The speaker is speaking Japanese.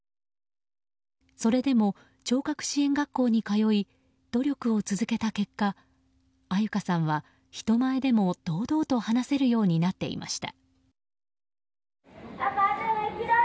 それでも聴覚支援学校に通い努力を続けた結果安優香さんは、人前でも堂々と話せるようになっていました。